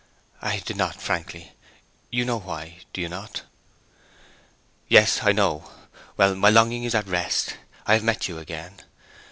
'I did not, frankly. You know why, do you not?' 'Yes, I know. Well, my longing is at rest. I have met you again.